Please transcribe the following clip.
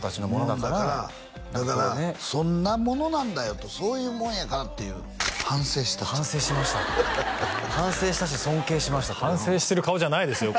「だからそんなものなんだよ」と「そういうもんやから」っていう「反省した」って「反省しました」って「反省したし尊敬しました」と反省してる顔じゃないですよ